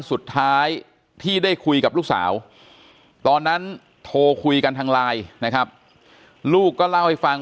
สุดท้ายที่ได้คุยกับลูกสาวตอนนั้นโทรคุยกันทางไลน์นะครับลูกก็เล่าให้ฟัง